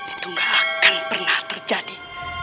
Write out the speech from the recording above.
itu gak akan pernah terjadi